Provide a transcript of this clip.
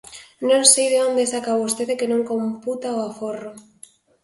Non sei de onde saca vostede que non computa o aforro.